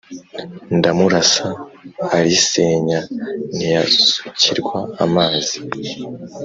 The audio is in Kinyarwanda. Ndamurasa alisenya ntiyasukirwa amazi,